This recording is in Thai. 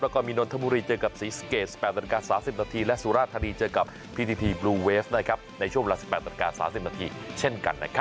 แล้วก็มีน้นธมุรีเจอกับซีสเกจ๑๘๓๐น